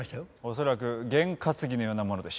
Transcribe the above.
恐らく験担ぎのようなものでしょう。